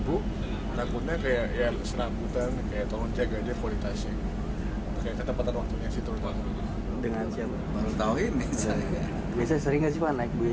berkurang tetap seperti ini gitu ya